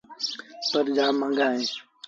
پر جآم مآݩگآ اهيݩ ۔